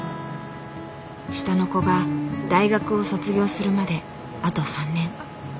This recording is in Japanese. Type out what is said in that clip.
下の子が大学を卒業するまであと３年。